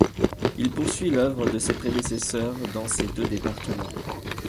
Il poursuit l’œuvre de ses prédécesseurs dans ces deux départements.